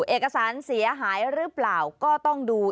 เอกสารเสียหายหรือเปล่าก็ต้องดู